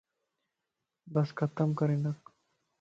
بس ختم ڪرھنڪ